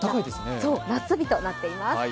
夏日となっています。